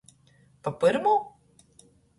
Pa pyrmū?